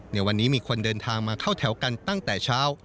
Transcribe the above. ในวันนี้มีคนเดินทางมาเข้าแถวกันตั้งแต่เช้า